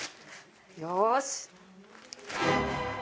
よし。